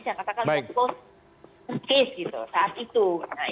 saya katakan itu keputusan kes gitu